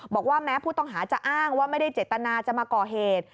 บอกว่าแม้ผู้ต้องหาจะอ้างว่าไม่ได้เจตนาจะมาก่อเหตุ